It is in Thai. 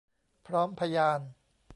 พร้อมพยาน